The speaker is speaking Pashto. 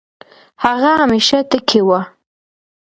هغه همېشه ټکے وۀ